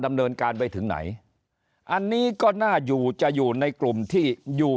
เนินการไปถึงไหนอันนี้ก็น่าอยู่จะอยู่ในกลุ่มที่อยู่